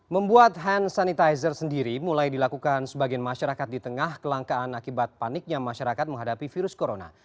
membuat hand sanitizer sendiri mulai dilakukan sebagian masyarakat di tengah kelangkaan akibat paniknya masyarakat menghadapi virus corona